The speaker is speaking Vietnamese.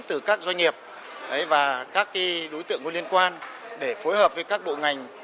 từ các doanh nghiệp và các đối tượng có liên quan để phối hợp với các bộ ngành